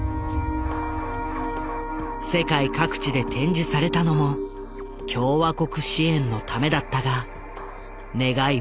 世界各地で展示されたのも共和国支援のためだったが願い